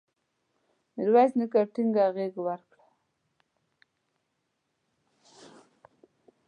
میرویس نیکه ټینګه غېږ ورکړه.